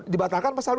dibatalkan pasal dua